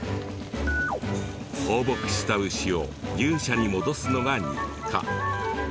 放牧した牛を牛舎に戻すのが日課。